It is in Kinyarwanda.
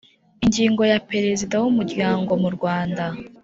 Ingingo ya Perezida w Umuryango mu rwanda